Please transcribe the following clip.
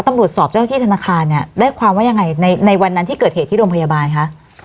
ตำรวจสอบเจ้าที่ธนาคารเนี่ยได้ความว่ายังไงในในวันนั้นที่เกิดเหตุที่โรงพยาบาลคะ